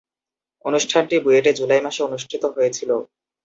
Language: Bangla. অনুষ্ঠানটি বুয়েটে জুলাই মাসে অনুষ্ঠিত হয়েছিলো।